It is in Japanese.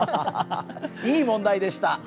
いい問題でした。